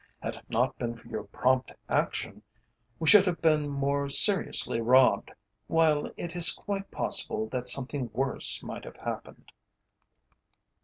Had it not been for your prompt action, we should have been more seriously robbed, while it is quite possible that something worse might have happened."